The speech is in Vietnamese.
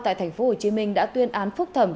tại tp hcm đã tuyên án phúc thẩm